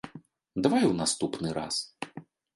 Давай у наступны раз.